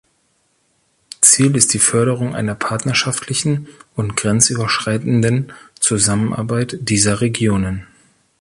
Ziel ist die Förderung einer partnerschaftlichen und grenzüberschreitenden Zusammenarbeit dieser Regionen.